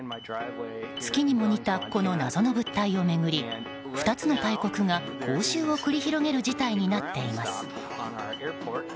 月にも似たこの謎の物体を巡り２つの大国が応酬を繰り広げる事態となっています。